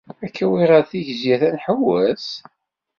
Ad k-awiɣ ɣer Tegzirt ad nḥewweṣ?